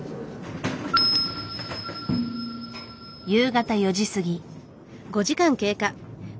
夕方４時過ぎ。